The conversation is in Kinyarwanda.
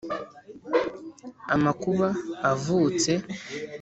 amakuba avutse :